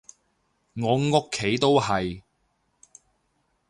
我屋企都係